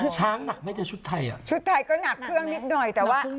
ช้างหนักไม่เจอชุดไทยอ่ะชุดไทยก็หนักเครื่องนิดหน่อยแต่ว่า